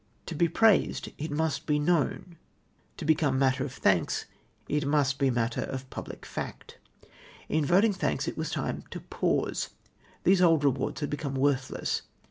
To be praised, it must be known; to become matter of thanks, it must be matter of public fact. In voting thanks it was time to j^ause. These old rewards had become worthless.